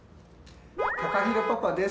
たかひろパパです。